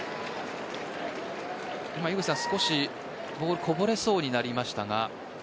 少しボールこぼれそうになりましたが。